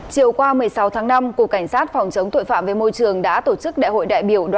chiều qua một mươi sáu tháng năm cục cảnh sát phòng chống tội phạm về môi trường đã tổ chức đại hội đại biểu